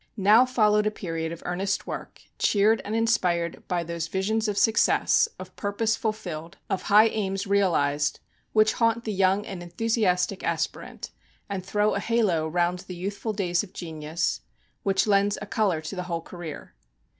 Now followed a period of earn est work, cheered and inspired by those visions of success, of purpose fulfilled, of 216 COSMOPOLITAN ART JOURNAL. high aims realized, which haunt the young and enthusiastic aspirant, and throw a halo round the youthful days of genius, which lends a color to the whole career.